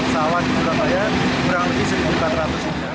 sawan di surabaya kurang lebih satu empat ratus hektare